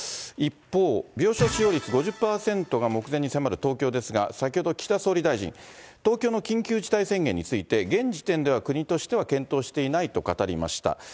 一方、病床使用率５０％が目前に迫る東京ですが、先ほど岸田総理大臣、東京の緊急事態宣言について、現時点では、国としては検討していないと語りました。